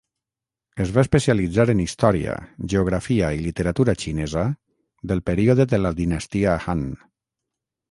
Es va especialitzar en història, geografia i literatura xinesa del període de la Dinastia Han.